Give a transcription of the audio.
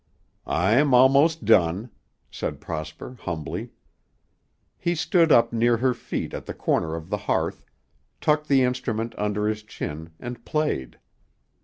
"I'm almost done," said Prosper humbly. He stood up near her feet at the corner of the hearth, tucked the instrument under his chin and played.